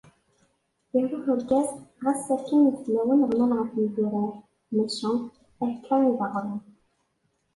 Iruḥ urgaz γas akken ideflawen ɣman γef yidurar, maca akka i d aɣrum.